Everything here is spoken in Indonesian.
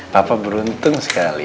papa beruntung sekali